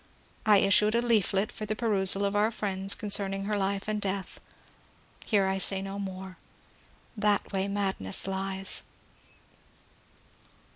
I issued a leaflet for the perusal of our friends concerning her life and death. Here I say no more. *^ That way madness lies."